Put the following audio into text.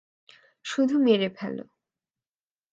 শুধু মেরে ফেলো।